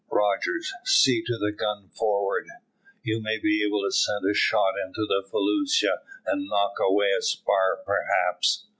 Rogers, see to the gun forward. You may be able to send a shot into the felucca and knock away a spar, perhaps."